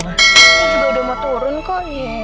ini juga udah mau turun kok